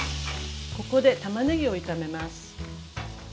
ここでたまねぎを炒めます。